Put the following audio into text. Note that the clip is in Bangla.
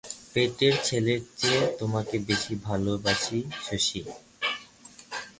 পেটের ছেলের চেয়ে তোমাকে বেশি ভালোবাসি শশী।